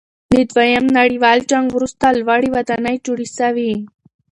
د دویم نړیوال جنګ وروسته لوړې ودانۍ جوړې سوې.